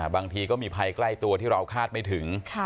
บางทีก็มีภัยใกล้ตัวที่เราคาดไม่ถึง